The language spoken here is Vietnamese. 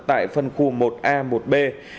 tại phân khu một a một b